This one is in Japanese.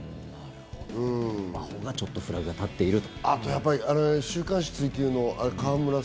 真帆がちょっとフラグが立っていると。